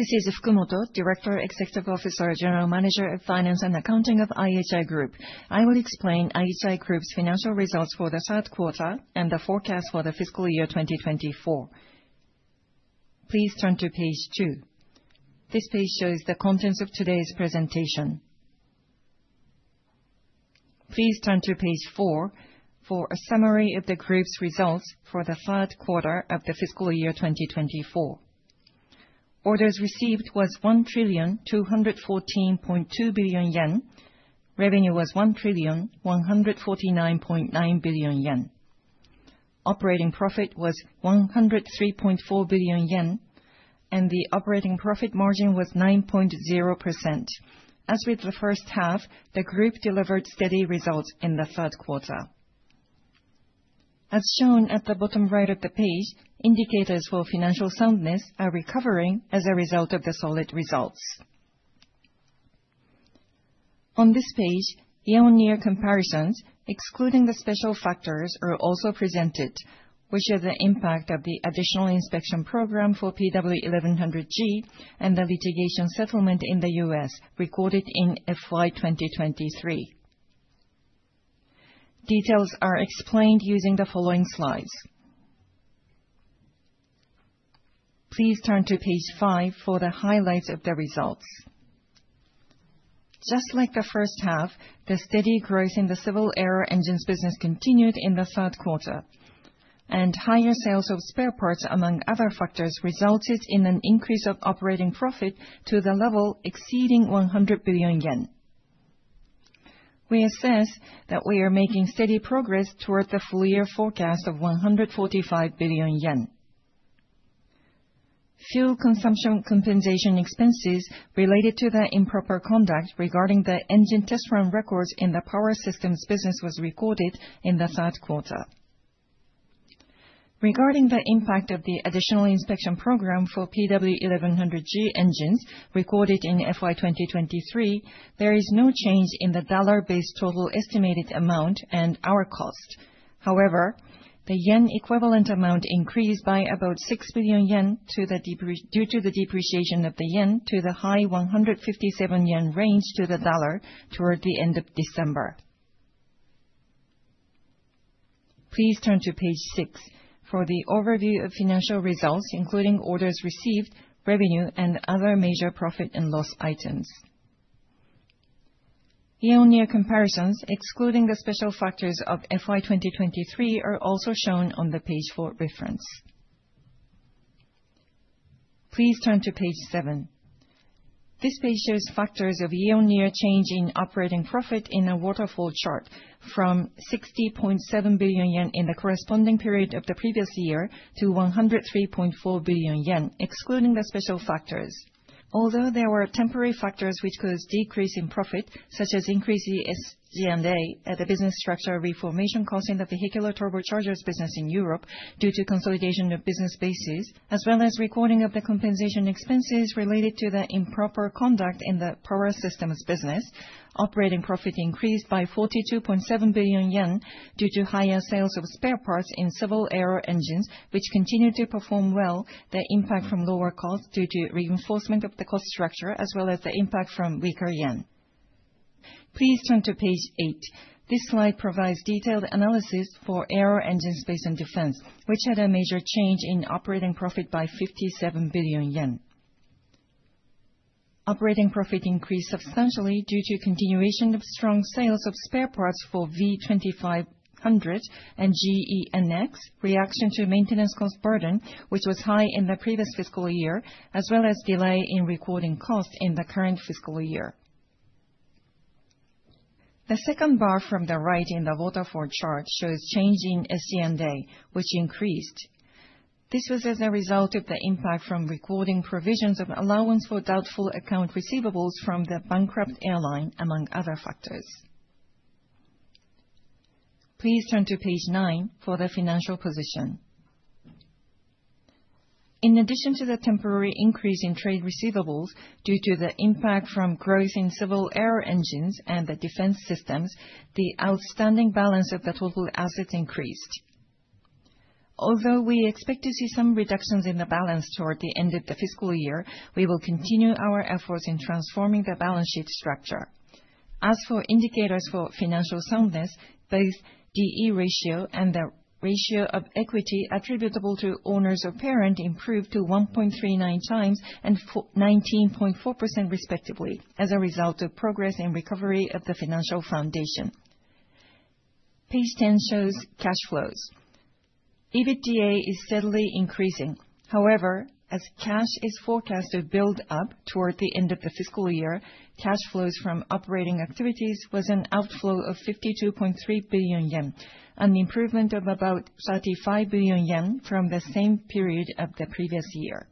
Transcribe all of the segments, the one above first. This is IHI Yasuaki Fukumoto, Director, Executive Officer, and General Manager of Finance and Accounting of IHI Group. I will explain IHI Group's financial results for the third quarter and the forecast for the fiscal year 2024. Please turn to page 2. This page shows the contents of today's presentation. Please turn to page 4 for a summary of the Group's results for the third quarter of the fiscal year 2024. Orders received were 1,214.2 billion yen, revenue was 1,149.9 billion yen, operating profit was 103.4 billion yen, and the operating profit margin was 9.0%. As with the first half, the Group delivered steady results in the third quarter. As shown at the bottom right of the page, indicators for financial soundness are recovering as a result of the solid results. On this page, year-on-year comparisons, excluding the special factors, are also presented, which are the impact of the additional inspection program for PW1100G and the litigation settlement in the US recorded in FY 2023. Details are explained using the following slides. Please turn to page 5 for the highlights of the results. Just like the first half, the steady growth in the civil aero engines business continued in the third quarter, and higher sales of spare parts, among other factors, resulted in an increase of operating profit to the level exceeding 100 billion yen. We assess that we are making steady progress toward the full-year forecast of 145 billion yen. Fuel consumption compensation expenses related to the improper conduct regarding the engine test run records in the power systems business were recorded in the third quarter. Regarding the impact of the additional inspection program for PW1100G engines recorded in FY 2023, there is no change in the dollar-based total estimated amount and our cost. However, the yen equivalent amount increased by about 6 billion yen due to the depreciation of the yen to the high 157 yen range to the dollar toward the end of December. Please turn to page 6 for the overview of financial results, including orders received, revenue, and other major profit and loss items. Year-on-year comparisons, excluding the special factors of FY 2023, are also shown on the page for reference. Please turn to page 7. This page shows factors of year-on-year change in operating profit in a waterfall chart from 60.7 billion yen in the corresponding period of the previous year to 103.4 billion yen, excluding the special factors. Although there were temporary factors which caused decrease in profit, such as increasing SG&A at the business structure reformation costs in the vehicular turbochargers business in Europe due to consolidation of business bases, as well as recording of the compensation expenses related to the improper conduct in the power systems business, operating profit increased by 42.7 billion yen due to higher sales of spare parts in civil aero engines, which continued to perform well. The impact from lower costs due to reinforcement of the cost structure, as well as the impact from weaker yen. Please turn to page 8. This slide provides detailed analysis for Aero Engine, Space and Defense, which had a major change in operating profit by 57 billion yen. Operating profit increased substantially due to continuation of strong sales of spare parts for V2500 and GEnx, reaction to maintenance cost burden, which was high in the previous fiscal year, as well as delay in recording costs in the current fiscal year. The second bar from the right in the waterfall chart shows change in SG&A, which increased. This was as a result of the impact from recording provisions of allowance for doubtful accounts receivable from the bankrupt airline, among other factors. Please turn to page 9 for the financial position. In addition to the temporary increase in trade receivables due to the impact from growth in civil aero engines and the defense systems, the outstanding balance of the total assets increased. Although we expect to see some reductions in the balance toward the end of the fiscal year, we will continue our efforts in transforming the balance sheet structure. As for indicators for financial soundness, both D/E ratio and the ratio of equity attributable to owners of parent improved to 1.39 times and 19.4%, respectively, as a result of progress in recovery of the financial foundation. Page 10 shows cash flows. EBITDA is steadily increasing. However, as cash is forecast to build up toward the end of the fiscal year, cash flows from operating activities were an outflow of 52.3 billion yen, an improvement of about 35 billion yen from the same period of the previous year.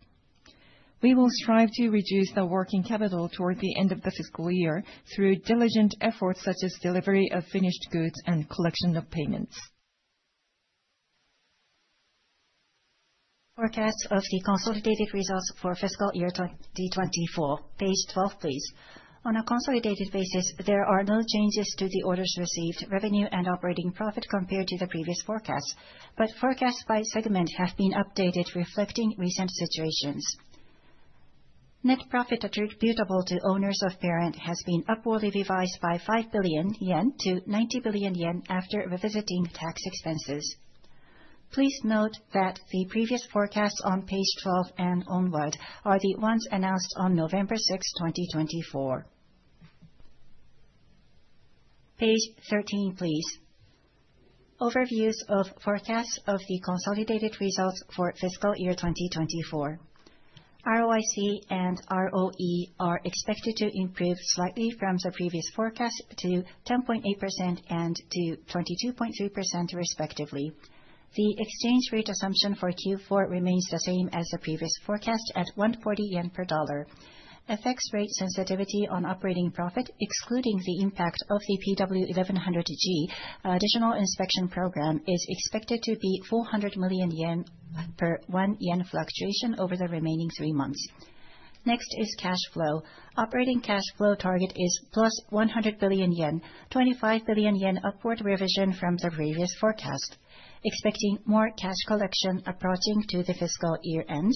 We will strive to reduce the working capital toward the end of the fiscal year through diligent efforts such as delivery of finished goods and collection of payments. Forecast of the consolidated results for fiscal year 2024. Page 12, please. On a consolidated basis, there are no changes to the orders received, revenue, and operating profit compared to the previous forecasts, but forecasts by segment have been updated reflecting recent situations. Net profit attributable to owners of parent has been upwardly revised by 5 billion yen to 90 billion yen after revisiting tax expenses. Please note that the previous forecasts on page 12 and onward are the ones announced on November 6, 2024. Page 13, please. Overviews of forecasts of the consolidated results for fiscal year 2024. ROIC and ROE are expected to improve slightly from the previous forecast to 10.8% and to 22.3%, respectively. The exchange rate assumption for Q4 remains the same as the previous forecast at 140 yen per USD. FX rate sensitivity on operating profit, excluding the impact of the PW1100G additional inspection program, is expected to be 400 million yen per one yen fluctuation over the remaining three months. Next is cash flow. Operating cash flow target is plus 100 billion yen, 25 billion yen upward revision from the previous forecast, expecting more cash collection approaching to the fiscal year end.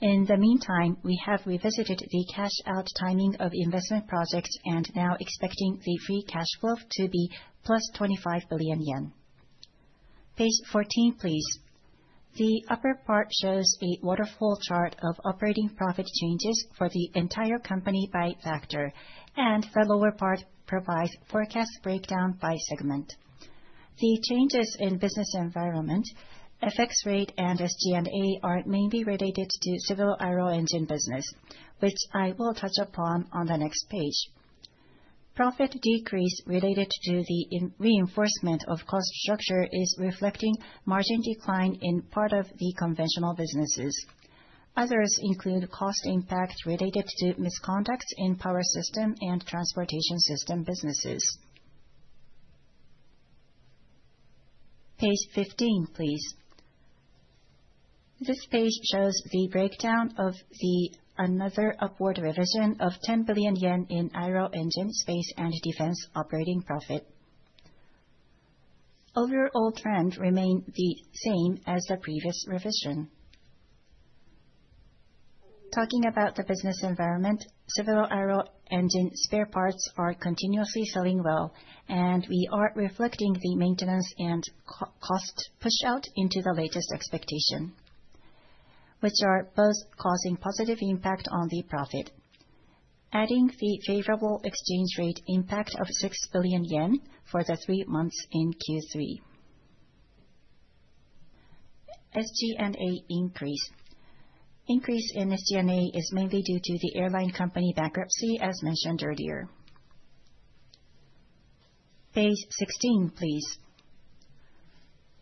In the meantime, we have revisited the cash-out timing of investment projects and now expecting the free cash flow to be plus 25 billion yen. Page 14, please. The upper part shows a waterfall chart of operating profit changes for the entire company by factor, and the lower part provides forecast breakdown by segment. The changes in business environment, FX rate, and SG&A are mainly related to civil aero engine business, which I will touch upon on the next page. Profit decrease related to the reinforcement of cost structure is reflecting margin decline in part of the conventional businesses. Others include cost impact related to misconducts in power system and transportation system businesses. Page 15, please. This page shows the breakdown of another upward revision of 10 billion yen in Aero Engine, Space and Defense operating profit. Overall trend remained the same as the previous revision. Talking about the business environment, civil aero engine spare parts are continuously selling well, and we are reflecting the maintenance and cost push-out into the latest expectation, which are both causing positive impact on the profit, adding the favorable exchange rate impact of 6 billion yen for the three months in Q3. SG&A increase. Increase in SG&A is mainly due to the airline company bankruptcy, as mentioned earlier. Page 16, please.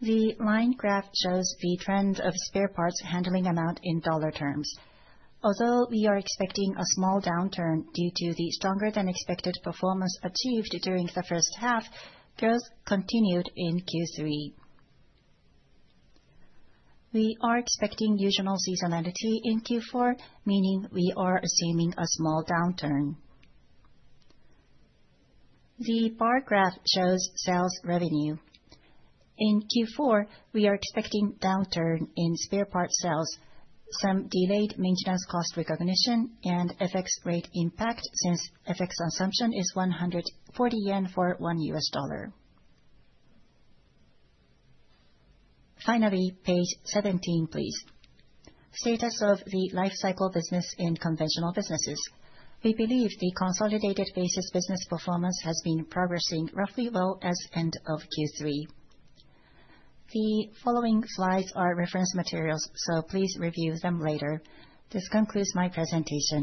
The line graph shows the trend of spare parts handling amount in dollar terms. Although we are expecting a small downturn due to the stronger-than-expected performance achieved during the first half, growth continued in Q3. We are expecting usual seasonality in Q4, meaning we are assuming a small downturn. The bar graph shows sales revenue. In Q4, we are expecting downturn in spare parts sales, some delayed maintenance cost recognition, and FX rate impact since FX assumption is 140 yen for $1. Finally, page 17, please. Status of the life cycle business in conventional businesses. We believe the consolidated basis business performance has been progressing roughly well as end of Q3. The following slides are reference materials, so please review them later. This concludes my presentation.